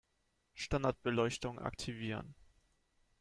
Standardbeleuchtung aktivieren